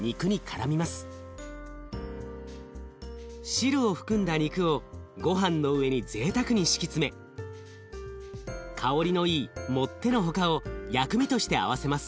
汁を含んだ肉をごはんの上にぜいたくに敷き詰め香りのいいもってのほかを薬味として合わせます。